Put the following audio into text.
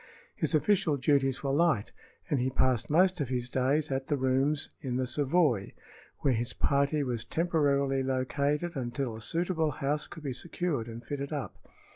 His official duties were light, and he passed most of his days at the rooms in the Savoy, where his party was temporarily located until a suitable house could be secured and fitted up.